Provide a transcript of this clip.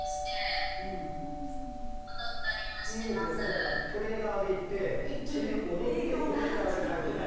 だからトレーラーで行ってそれで踊ってトレーラーで帰ってくる。